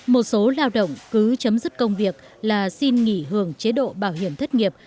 một số lao động cứ chấm dứt công việc là xin nghỉ hưởng chế độ bảo hiểm thất nghiệp